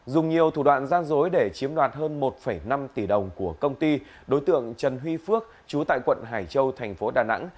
dùng nhiều thủ đoạn gian dối để chiếm đoạt hơn một năm tỷ đồng của công ty đối tượng trần huy phước chú tại quận hải châu thành phố đà nẵng